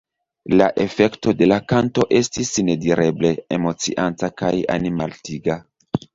La efekto de la kanto estis nedireble emocianta kaj animaltiga.